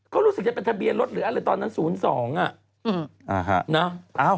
ก็รู้สึกจะเป็นทะเบียนรถหรืออะไรตอนนั้น๐๒อ่ะ